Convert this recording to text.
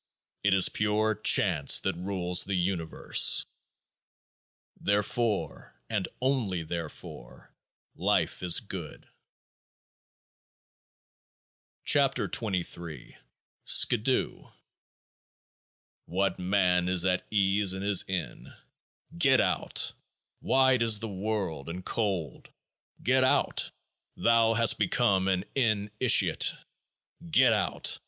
It is Pure Chance that rules the Universe ; therefore, and only therefore, life is good. 31 KEOAAH KT (23) SKIDOO What man is at ease in his Inn? Get out. Wide is the world and cold. Get out. Thou hast become an in itiate. Get out.